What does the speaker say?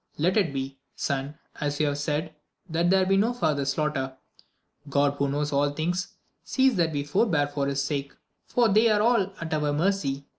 Let it be, son, as you have said, that there may be no far ther slaughter ; God, who knows all things, sees that we forbear for his sake, for they are all at our mercy.